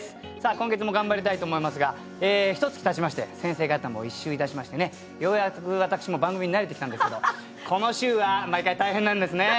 今月も頑張りたいと思いますがひとつきたちまして先生方も一周いたしましてねようやく私も番組に慣れてきたんですけどこの週は毎回大変なんですね。